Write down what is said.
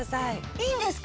いいんですか？